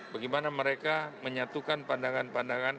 bagaimana mereka menyatukan pandangan pandangan